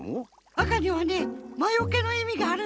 赤にはねまよけのいみがあるんだって。